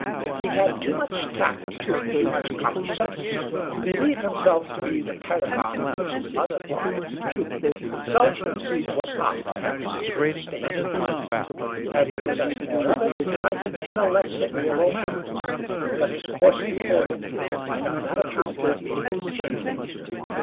He had too much tact, too much common sense, to believe himself to be the paragon which his mother thought him. Self conceit was not, perhaps, his greatest danger. Had he possessed more of it, he might have been a less agreeable man, but his course before him might on that account have been the safer.